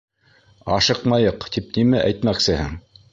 «Ашыҡмайыҡ» тип нимә әйтмәксеһең?